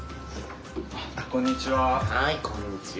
こんにちは。